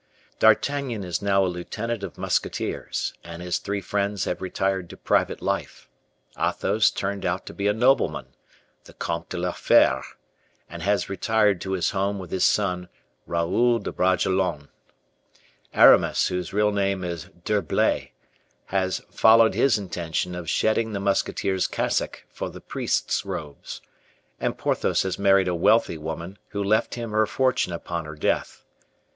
D'Artagnan is now a lieutenant of musketeers, and his three friends have retired to private life. Athos turned out to be a nobleman, the Comte de la Fere, and has retired to his home with his son, Raoul de Bragelonne. Aramis, whose real name is D'Herblay, has followed his intention of shedding the musketeer's cassock for the priest's robes, and Porthos has married a wealthy woman, who left him her fortune upon her death.